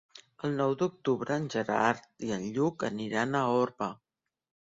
El nou d'octubre en Gerard i en Lluc aniran a Orba.